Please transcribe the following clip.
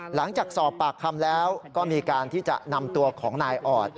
หลังจากสอบปากคำแล้วก็มีการที่จะนำตัวของนายออด